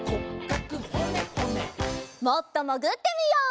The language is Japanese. もっともぐってみよう！